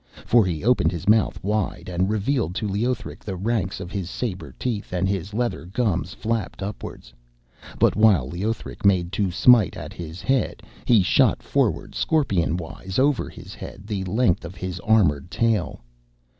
For he opened his mouth wide, and revealed to Leothric the ranks of his sabre teeth, and his leather gums flapped upwards. But while Leothric made to smite at his head, he shot forward scorpion wise over his head the length of his armoured tail.